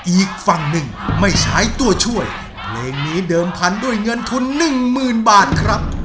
อีกฝั่งหนึ่งไม่ใช้ตัวช่วยเพลงนี้เดิมพันด้วยเงินทุนหนึ่งหมื่นบาทครับ